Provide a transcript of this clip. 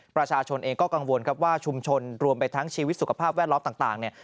ประชาชนเองก็กังวลครับว่าชุมชนรวมไปทั้งชีวิตสุขภาพแวดล้อมต่างเนี่ย